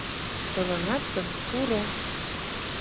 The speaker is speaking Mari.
Толынат гын, пуро!